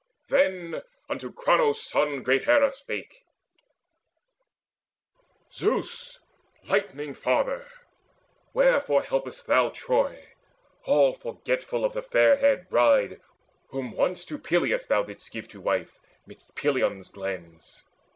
Then unto Cronos' Son great Hera spake: "Zeus, Lightning father, wherefore helpest thou Troy, all forgetful of the fair haired bride Whom once to Peleus thou didst give to wife Midst Pelion's glens?